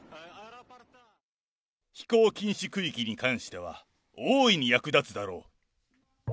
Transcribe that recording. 飛行禁止区域に関しては、大いに役立つだろう。